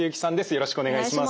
よろしくお願いします。